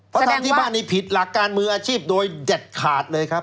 เพราะทำที่บ้านนี้ผิดหลักการมืออาชีพโดยเด็ดขาดเลยครับ